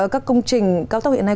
các công trình cao tốc hiện nay